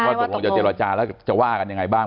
ตกลงจะเจรจาแล้วจะว่ากันยังไงบ้าง